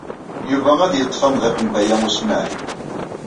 Yuba ad yeṭṭef amḍiq n Baya U Smaɛil.